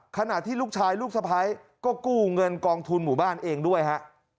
ขณะที่ลูกชายลูกสะพ้ายก็กู้เงินกองทุนหมู่บ้านเองด้วยฮะ